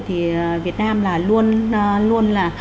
thì việt nam là luôn